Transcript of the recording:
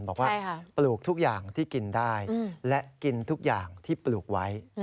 บอกว่าปลูกทุกอย่างที่กินได้และกินทุกอย่างที่ปลูกไว้